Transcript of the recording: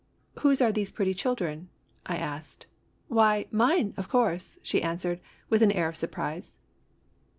" Whose are these pretty children ?" I asked. " Why, mine, of course !" she answered, with an air of surprise.